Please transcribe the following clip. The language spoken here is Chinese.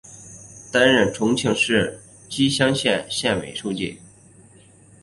担任重庆市綦江县委书记。